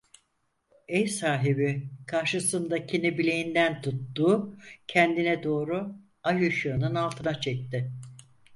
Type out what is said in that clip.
Ev sahibi karşısındakini bileğinden tuttu, kendine doğru, ay ışığının altına çekti.